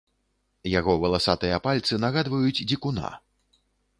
Яго валасатыя пальцы нагадваюць дзікуна.